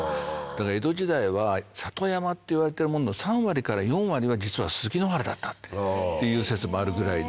江戸時代は里山っていわれてるものの３割から４割は実はススキ野原だったっていう説もあるぐらいで。